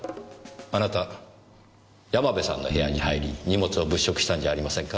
あなた山部さんの部屋に入り荷物を物色したんじゃありませんか？